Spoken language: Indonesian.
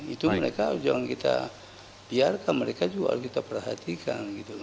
itu mereka jangan kita biarkan mereka juga harus kita perhatikan gitu loh